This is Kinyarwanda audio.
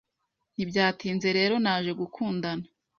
Ntibyatinze rero naje gukundana